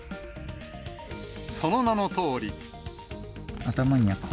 その名のとおり。